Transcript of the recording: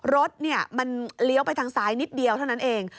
รถมันเลี้ยวไปทางซ้ายนิดเดียวเท่านั้นเอง